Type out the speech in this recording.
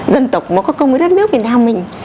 dân tộc nó có công với đất nước việt nam mình